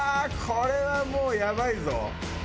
これはもうやばいぞ。